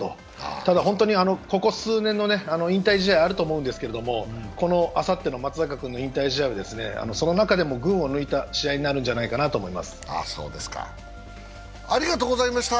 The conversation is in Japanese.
ただ、本当にここ数年の、引退試合あると思うんですけどあさっての松坂君の引退試合は、その中でも群を抜いた試合になるのではないかと思います。